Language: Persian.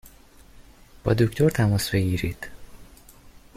با دکتر تماس بگیرید!